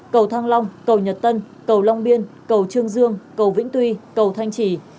cầu thăng long cầu nhật tân cầu long biên cầu trương dương cầu vĩnh tuy cầu thanh trì